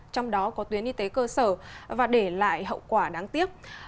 trong đó có tuyến y tế cơ sở và để lại hậu quả đáng tiếc